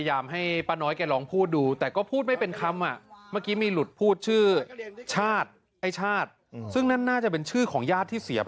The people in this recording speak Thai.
อย่างคุณสนทยายุทธิ์๒๘ปี